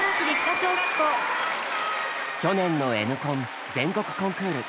去年の「Ｎコン」全国コンクール。